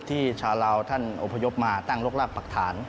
ชาวลาวท่านอพยพมาตั้งรกรากปักฐาน